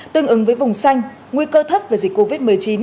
tương ứng với vùng xanh nguy cơ thấp về dịch covid một mươi chín